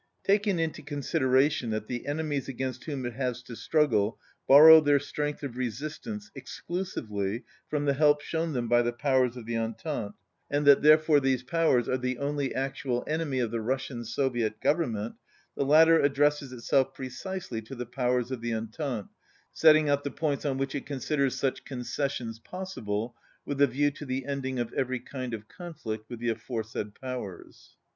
"Taking into consideration that the enemies against whom it has to struggle borrow their strength of resistance exclusively from the help shown them by the powers of the Entente, and 45 that therefore these powers are the only actual enemy of the Russian Soviet Government, the latter addresses itself precisely to the powers of the Entente, setting out the points on which it con siders such concessions possible with a view to the ending of every kind of conflict with the afore said powers."